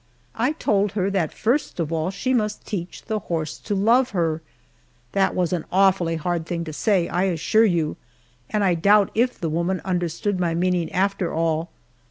I told her that first of all she must teach the horse to love her. That was an awfully hard thing to say, I assure you, and I doubt if the woman understood my meaning after all.